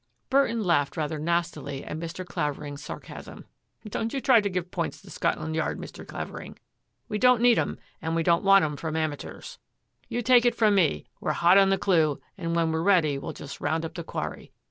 " Burton laughed rather nastily at Mr. Claver ing's sarcasm. " Don't you try to give points to Scotland Yard, Mr. Clavering. We don't need 'em, and we don't want 'em from amatoors. You take it from me, we're hot on the clue and when we're ready we'll just round up the quarry.